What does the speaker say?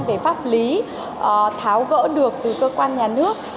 về pháp lý tháo gỡ được từ cơ quan nhà nước